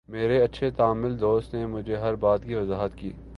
میرے اچھے تامل دوست نے مجھے ہر بات کی وضاحت کی